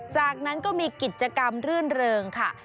จากนั้นก็มีกิจกรรมรื่นเริงค่ะ